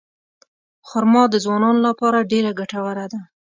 خرما د ځوانانو لپاره ډېره ګټوره ده.